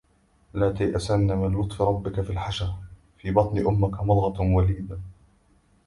لا تيأسن من لطف ربك في الحشا... في بطن أمك مضغة ووليـدا